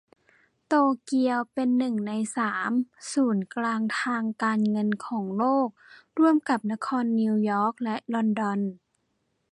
โตเกียวเป็น หนึ่ง ใน สาม ศูนย์กลางทางการเงินของโลกร่วมกับนครนิวยอร์กและลอนดอน